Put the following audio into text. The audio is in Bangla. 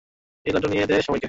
এই লাড্ডু নিয়ে দিয়ে দে সবাইকে।